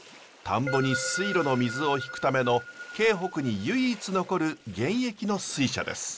田んぼに水路の水を引くための京北に唯一残る現役の水車です。